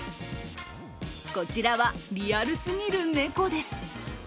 こちらは、リアルすぎる猫です。